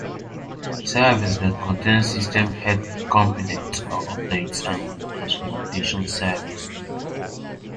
Servers that contain system health components or updates are known as remediation servers.